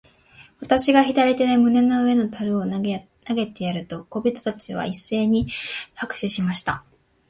私が左手で胸の上の樽を投げてやると、小人たちは一せいに拍手しました。